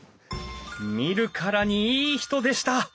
見るからにいい人でした！